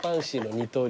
二刀流。